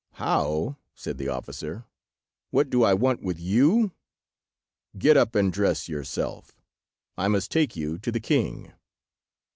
"How!" said the officer. "What do I want with you? Get up and dress yourself. I must take you to the king."